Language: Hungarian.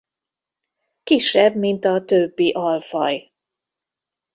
Kisebb mint a többi alfaj.